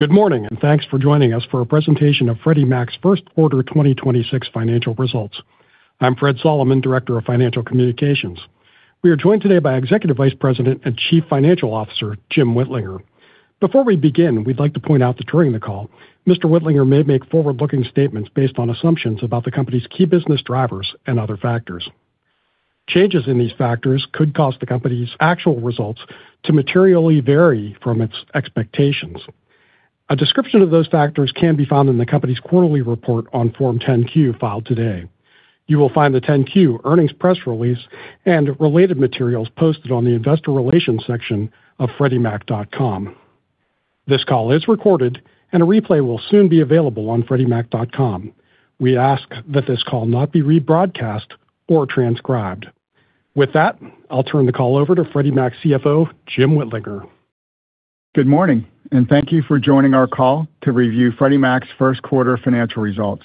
Good morning and thanks for joining us for a presentation of Freddie Mac's First quarter 2026 financial results. I'm Fred Solomon, Director of Financial Communications. We are joined today by Executive Vice President and Chief Financial Officer Jim Whitlinger. Before we begin, we'd like to point out that during the call, Mr. Whitlinger may make forward-looking statements based on assumptions about the company's key business drivers and other factors. Changes in these factors could cause the company's actual results to materially vary from its expectations. A description of those factors can be found in the company's quarterly report on Form 10-Q filed today. You will find the 10-Q earnings press release and related materials posted on the investor relations section of freddiemac.com. This call is recorded and a replay will soon be available on freddiemac.com. We ask that this call not be rebroadcast or transcribed. With that, I'll turn the call over to Freddie Mac CFO Jim Whitlinger. Good morning, and thank you for joining our call to review Freddie Mac's first quarter financial results.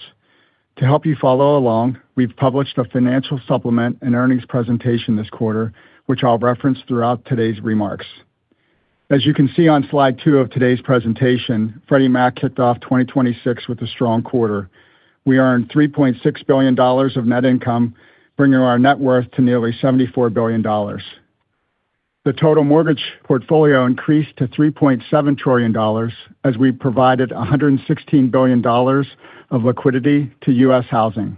To help you follow along, we've published a financial supplement and earnings presentation this quarter, which I'll reference throughout today's remarks. As you can see on slide two of today's presentation, Freddie Mac kicked off 2026 with a strong quarter. We earned $3.6 billion of net income, bringing our net worth to nearly $74 billion. The total mortgage portfolio increased to $3.7 trillion as we provided $116 billion of liquidity to U.S. housing.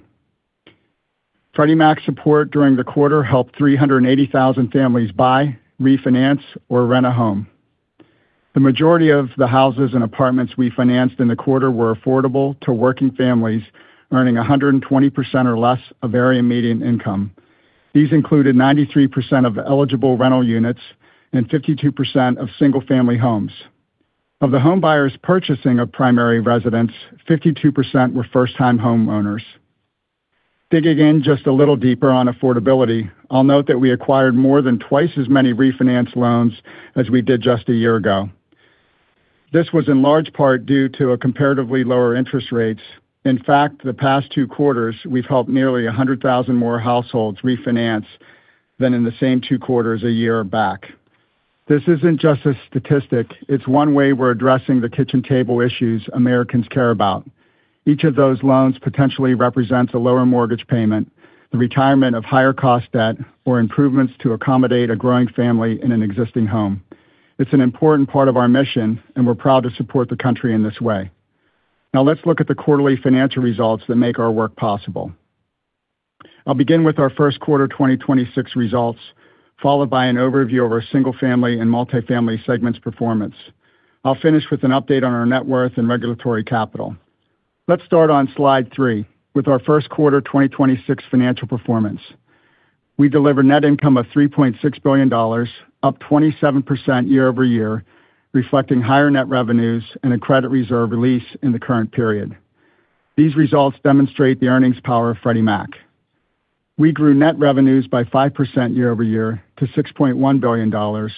Freddie Mac's support during the quarter helped 380,000 families buy, refinance, or rent a home. The majority of the houses and apartments we financed in the quarter were affordable to working families earning 120% or less of area median income. These included 93% of eligible rental units and 52% of single-family homes. Of the home buyers purchasing a primary residence, 52% were first-time homeowners. Digging in just a little deeper on affordability, I'll note that we acquired more than twice as many refinance loans as we did just a year ago. This was in large part due to a comparatively lower interest rates. In fact, the past two quarters, we've helped nearly 100,000 more households refinance than in the same two quarters a year back. This isn't just a statistic; it's one way we're addressing the kitchen table issues Americans care about. Each of those loans potentially represents a lower mortgage payment, the retirement of higher cost debt or improvements to accommodate a growing family in an existing home. It's an important part of our mission, and we're proud to support the country in this way. Now let's look at the quarterly financial results that make our work possible. I'll begin with our first quarter 2026 results, followed by an overview of our Single-Family and Multifamily segments' performance. I'll finish with an update on our net worth and regulatory capital. Let's start on slide three with our first quarter 2026 financial performance. We delivered net income of $3.6 billion, up 27% year-over-year, reflecting higher net revenues and a credit reserve release in the current period. These results demonstrate the earnings power of Freddie Mac. We grew net revenues by 5% year-over-year to $6.1 billion,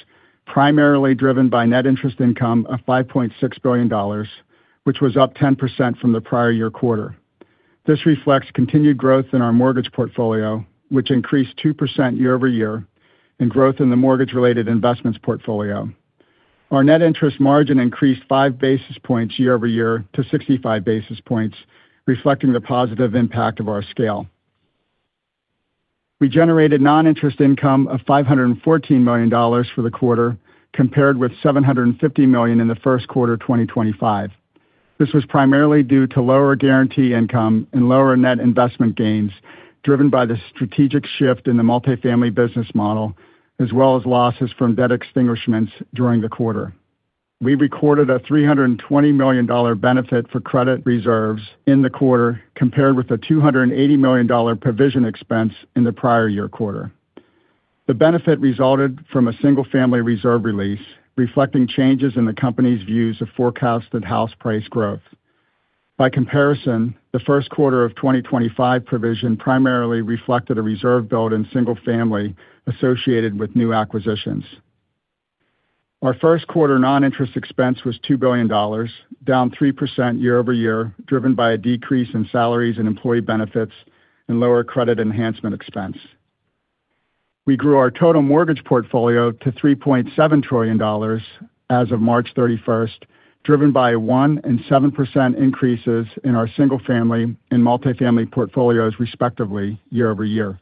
primarily driven by net interest income of $5.6 billion, which was up 10% from the prior-year quarter. This reflects continued growth in our mortgage portfolio, which increased 2% year-over-year and growth in the mortgage-related investments portfolio. Our net interest margin increased 5 basis points year-over-year to 65 basis points, reflecting the positive impact of our scale. We generated non-interest income of $514 million for the quarter, compared with $750 million in the first quarter 2025. This was primarily due to lower guarantee income and lower net investment gains, driven by the strategic shift in the Multifamily business model as well as losses from debt extinguishments during the quarter. We recorded a $320 million benefit for credit reserves in the quarter, compared with a $280 million provision expense in the prior-year quarter. The benefit resulted from a Single-Family reserve release, reflecting changes in the company's views of forecasted house price growth. By comparison, the first quarter of 2025 provision primarily reflected a reserve build in Single-Family associated with new acquisitions. Our first quarter non-interest expense was $2 billion, down 3% year-over-year, driven by a decrease in salaries and employee benefits and lower credit enhancement expense. We grew our total mortgage portfolio to $3.7 trillion as of March 31st, driven by 1% and 7% increases in our Single-Family and Multifamily portfolios, respectively, year-over-year.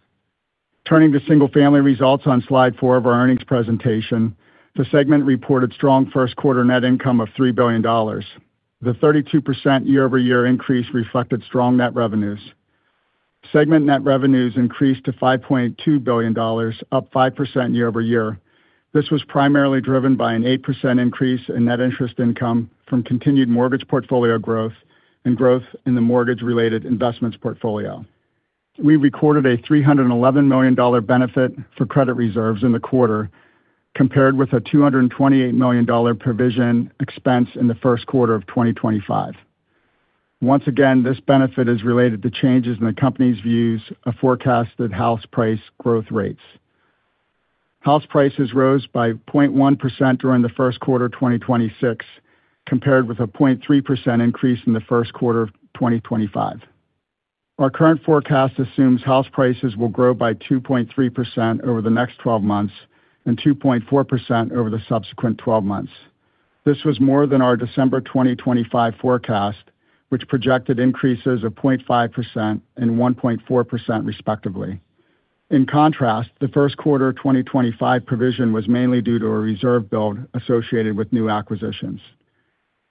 Turning to Single-Family results on slide four of our earnings presentation, the segment reported strong first quarter net income of $3 billion. The 32% year-over-year increase reflected strong net revenues. Segment net revenues increased to $5.2 billion, up 5% year-over-year. This was primarily driven by an 8% increase in net interest income from continued mortgage portfolio growth and growth in the mortgage-related investments portfolio. We recorded a $311 million benefit for credit reserves in the quarter, compared with a $228 million provision expense in the first quarter of 2025. Once again, this benefit is related to changes in the company's views of forecasted house price growth rates. House prices rose by 0.1% during the first quarter 2026, compared with a 0.3% increase in the first quarter of 2025. Our current forecast assumes house prices will grow by 2.3% over the next 12 months and 2.4% over the subsequent 12 months. This was more than our December 2025 forecast, which projected increases of 0.5% and 1.4% respectively. In contrast, the first quarter 2025 provision was mainly due to a reserve build associated with new acquisitions.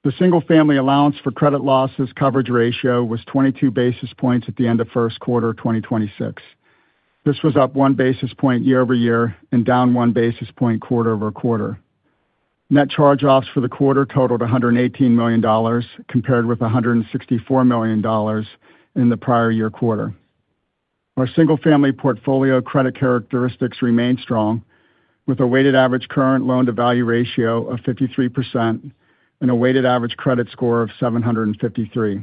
The Single-Family allowance for credit losses coverage ratio was 22 basis points at the end of first quarter 2026. This was up 1 basis point year-over-year and down 1 basis point quarter-over-quarter. Net charge-offs for the quarter totaled $118 million compared with $164 million in the prior-year quarter. Our Single-Family portfolio credit characteristics remain strong with a weighted average current loan-to-value ratio of 53% and a weighted average credit score of 753.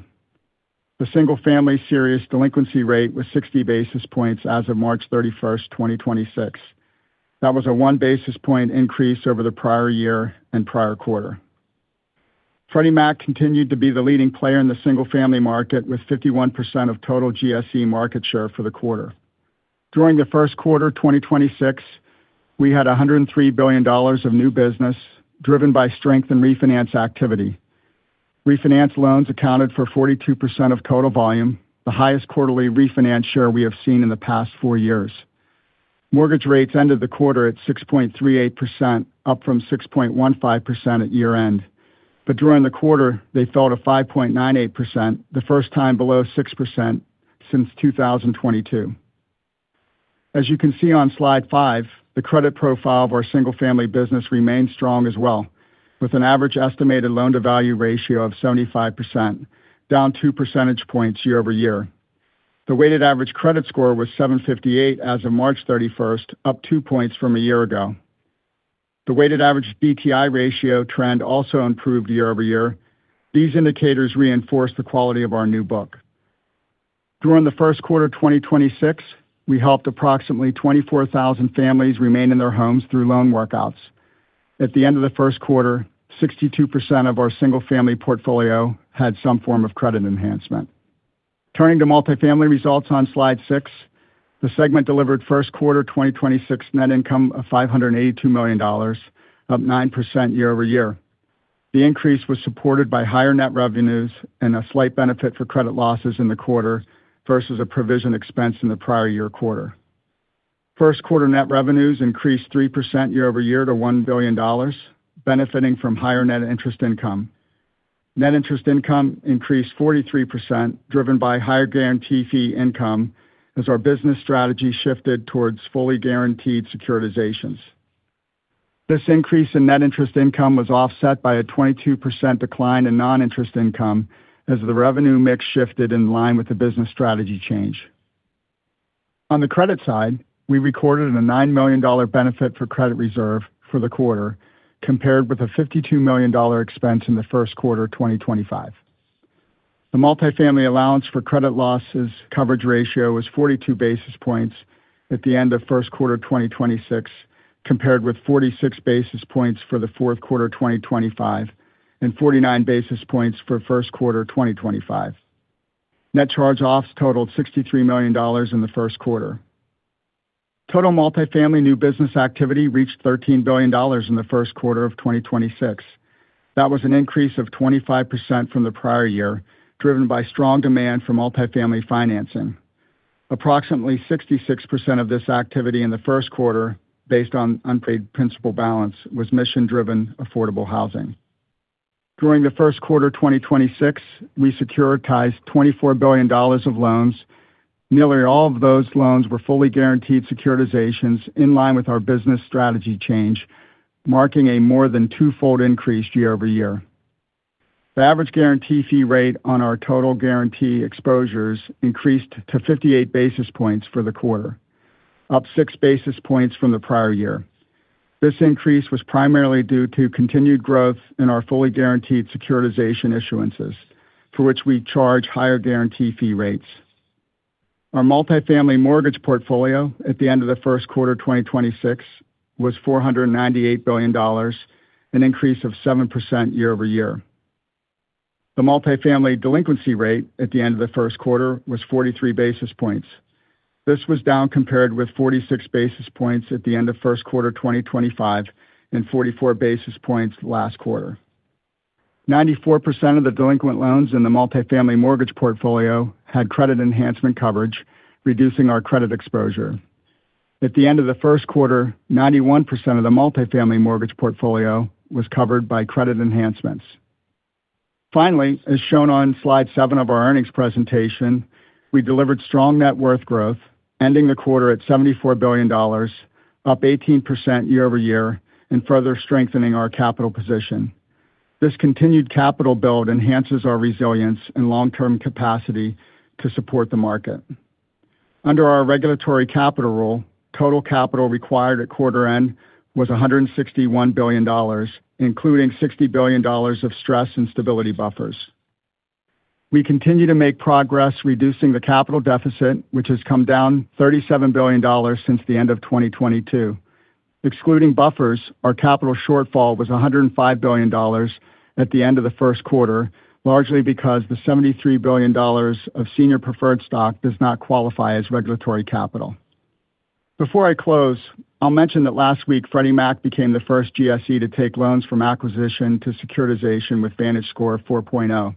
The Single-Family serious delinquency rate was 60 basis points as of March 31st, 2026. That was a 1 basis point increase over the prior year and prior quarter. Freddie Mac continued to be the leading player in the Single-Family market with 51% of total GSE market share for the quarter. During the first quarter 2026, we had $103 billion of new business, driven by strength and refinance activity. Refinance loans accounted for 42% of total volume, the highest quarterly refinance share we have seen in the past four years. Mortgage rates ended the quarter at 6.38%, up from 6.15% at year-end. During the quarter, they fell to 5.98%—the first time below 6% since 2022. As you can see on slide 5, the credit profile of our Single-Family business remains strong as well, with an average estimated loan-to-value ratio of 75%, down 2 percentage points year-over-year. The weighted average credit score was 758 as of March 31st, up 2 points from a year ago. The weighted average DTI ratio trend also improved year-over-year. These indicators reinforce the quality of our new book. During the first quarter 2026, we helped approximately 24,000 families remain in their homes through loan workouts At the end of the first quarter, 62% of our Single-Family portfolio had some form of credit enhancement. Turning to Multifamily results on slide six, the segment delivered first quarter 2026 net income of $582 million, up 9% year-over-year. The increase was supported by higher net revenues and a slight benefit for credit losses in the quarter versus a provision expense in the prior-year quarter. First quarter net revenues increased 3% year-over-year to $1 billion, benefiting from higher net interest income. Net interest income increased 43%, driven by higher guarantee fee income as our business strategy shifted towards fully guaranteed securitizations. This increase in net interest income was offset by a 22% decline in non-interest income as the revenue mix shifted in line with the business strategy change. On the credit side, we recorded a $9 million benefit for credit reserve for the quarter compared with a $52 million expense in the first quarter 2025. The Multifamily allowance for credit losses coverage ratio was 42 basis points at the end of first quarter 2026, compared with 46 basis points for the fourth quarter 2025 and 49 basis points for first quarter 2025. Net charge-offs totaled $63 million in the first quarter. Total Multifamily new business activity reached $13 billion in the first quarter of 2026. That was an increase of 25% from the prior year, driven by strong demand for Multifamily financing. Approximately 66% of this activity in the first quarter, based on unpaid principal balance, was mission-driven affordable housing. During the first quarter 2026, we securitized $24 billion of loans. Nearly all of those loans were fully guaranteed securitizations in line with our business strategy change, marking a more than twofold increase year-over-year. The average guarantee fee rate on our total guarantee exposures increased to 58 basis points for the quarter, up 6 basis points from the prior year. This increase was primarily due to continued growth in our fully guaranteed securitization issuances, for which we charge higher guarantee fee rates. Our Multifamily mortgage portfolio at the end of the first quarter 2026 was $498 billion, an increase of 7% year-over-year. The Multifamily delinquency rate at the end of the first quarter was 43 basis points. This was down compared with 46 basis points at the end of first quarter 2025 and 44 basis points last quarter. A 94% of the delinquent loans in the Multifamily mortgage portfolio had credit enhancement coverage, reducing our credit exposure. At the end of the first quarter, 91% of the Multifamily mortgage portfolio was covered by credit enhancements. As shown on slide seven of our earnings presentation, we delivered strong net worth growth, ending the quarter at $74 billion, up 18% year-over-year and further strengthening our capital position. This continued capital build enhances our resilience and long-term capacity to support the market. Under our regulatory capital rule, total capital required at quarter end was $161 billion, including $60 billion of stress and stability buffers. We continue to make progress reducing the capital deficit, which has come down $37 billion since the end of 2022. Excluding buffers, our capital shortfall was $105 billion at the end of the first quarter, largely because the $73 billion of Senior Preferred Stock does not qualify as regulatory capital. Before I close, I'll mention that last week, Freddie Mac became the first GSE to take loans from acquisition to securitization with VantageScore 4.0.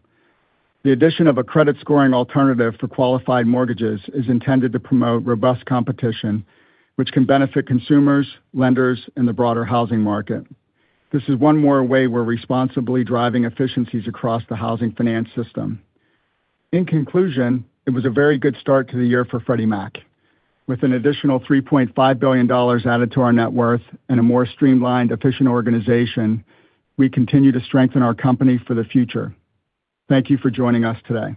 The addition of a credit scoring alternative for qualified mortgages is intended to promote robust competition, which can benefit consumers, lenders, and the broader housing market. This is one more way we're responsibly driving efficiencies across the housing finance system. In conclusion, it was a very good start to the year for Freddie Mac. With an additional $3.5 billion added to our net worth and a more streamlined, efficient organization, we continue to strengthen our company for the future. Thank you for joining us today.